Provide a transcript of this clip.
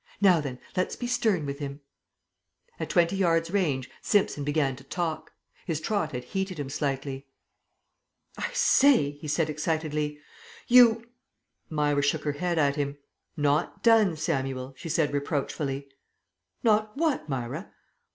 "Now then, let's be stern with him." At twenty yards' range Simpson began to talk. His trot had heated him slightly. "I say," he said excitedly. "You " Myra shook her head at him. "Not done, Samuel," she said reproachfully. "Not what, Myra?